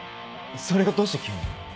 それがどうして急に？